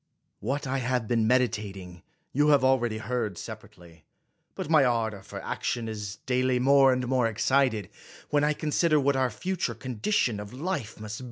What I have been meditating you have already heard separately. But my ardor for action is daily more and more excited, when I consider what our future condition of life must be, unless 1 Delivered in 68 B.